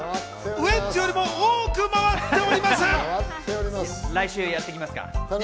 ウエンツよりも多く回っております。